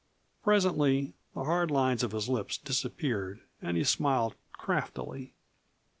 Presently the hard lines of his lips disappeared and he smiled craftily.